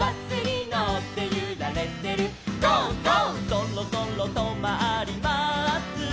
「そろそろとまります」